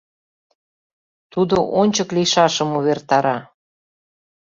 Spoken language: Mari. Тудо ончык лийшашым увертара...